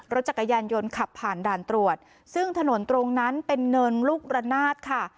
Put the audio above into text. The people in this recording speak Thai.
รถจักรยานยนต์ขับผ่านด่านตรวจซึ่งถนนตรงนั้นเป็นเนินลูกระนาดค่ะ